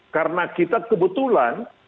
karena kita kebetulan